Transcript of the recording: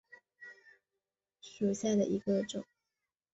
双黑带尖胸沫蝉为尖胸沫蝉科尖胸沫蝉属下的一个种。